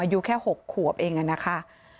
อายุแค่๖ขวบเองนะคะ